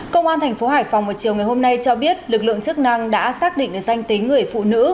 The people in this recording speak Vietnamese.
công an tp hcm vào chiều ngày hôm nay cho biết lực lượng chức năng đã xác định được danh tính người phụ nữ